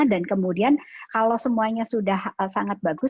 dan kemudian kalau semuanya sudah sangat bagus